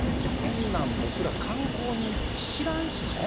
こんなん、僕ら、観光に行って知らんしね。